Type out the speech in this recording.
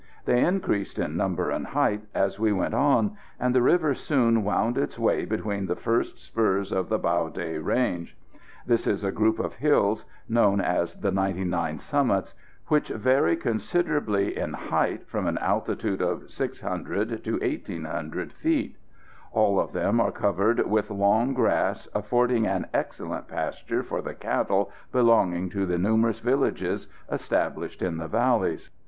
They increased in number and height as we went on, and the river soon wound its way between the first spurs of the Bao Day range. This is a group of hills known as the "Ninety nine Summits," which vary considerably in height from an altitude of 600 to 1,800 feet. All of them are covered with long grass, affording an excellent pasture for the cattle belonging to the numerous villages established in the valleys.